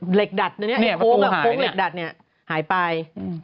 เหล็กดัดตัวนี้โค้งเหล็กดัดเนี่ยหายไป